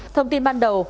thông tin ban đầu